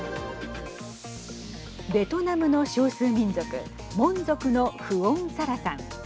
ベトナムの少数民族モン族のフオン・サラさん。